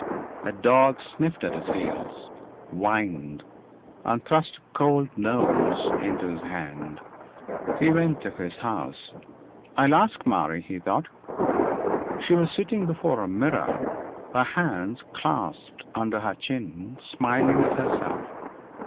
A dog sniffed at his heels, whined, and thrust a cold nose into his hand. He went to his house. "I'll ask Marie," he thought.... She was sitting before a mirror, her hands clasped under her chin, smiling at herself....